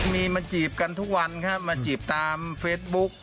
มีมาจีบกันทุกวันครับมาจีบตามเฟซบุ๊ก